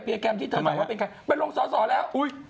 ไปลงศาสตร์แล้ว